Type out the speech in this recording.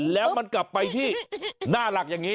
แล้วมันกลับไปที่หน้าหลักอย่างนี้